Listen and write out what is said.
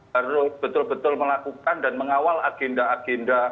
harus betul betul melakukan dan mengawal agenda agenda